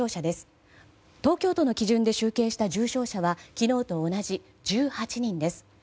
東京都の基準で集計した重症者は昨日と同じ１８人です。